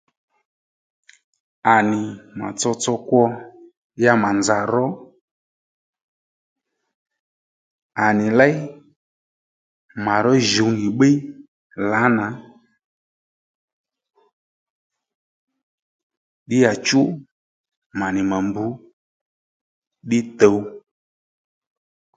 À nì mà tsotso kwo ya mà nzà ro à nì léy mà ró jǔw nì bbiy lǎnà ddíyàchú mà nì mà mbru ddí tǔw